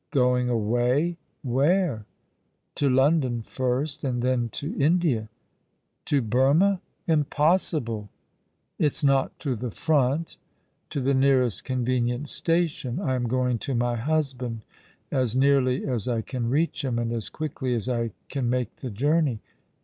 " Going away ! AVhere ?"" To London first, and then to India." " To Burmah ? Impossible !"" If not to the front, to the nearest convenient station. I am going to my husband; as nearly as I can reach him; and as quickly as I can make the journey."